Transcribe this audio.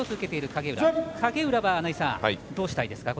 影浦はどうしたいですか？